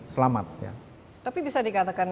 selamat tapi bisa dikatakan